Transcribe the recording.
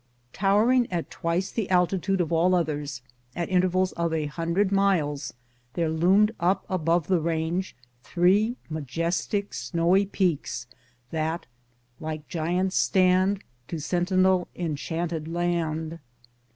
Towering at twice the alti tude of all others, at intervals of a hundred miles there loomed up above the range three majestic, snowy peaks that ''Like giants stand To sentinel enchanted land.''